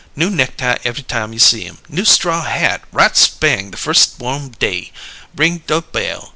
New necktie ev'y time you see 'em; new straw hat right spang the firs' warm day. Ring do' bell.